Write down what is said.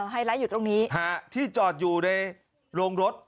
ไฮไลท์อยู่ตรงนี้ที่จอดอยู่ในโรงรถ